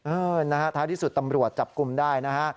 เออนะฮะท้ายที่สุดตำรวจจับกลุ่มได้นะฮะ